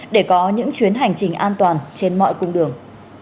để có những chuyến hành trình an toàn trên mọi cung đường